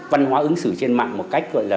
văn hóa ứng xử trên mạng một cách gọi là